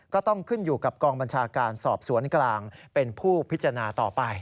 ก็ต้องขึ้นอยู่กับกองบัญชาการสอบสวนกลางเป็นผู้พิจารณาต่อไป